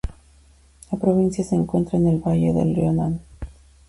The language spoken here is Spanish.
La provincia se encuentra en el valle del río Nan.